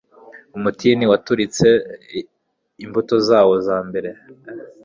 umutini waturitse imbuto zawo za mbere